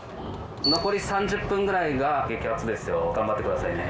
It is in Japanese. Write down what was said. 残り３０分ぐらいが激アツです頑張ってくださいね。